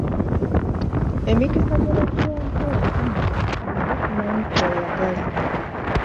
Emikisa gye bakuwadde gimala naye tomanyi ky'oyagala.